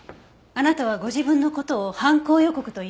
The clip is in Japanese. あなたはご自分の事を犯行予告と言いました。